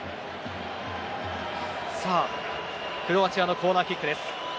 クロアチアのコーナーキック。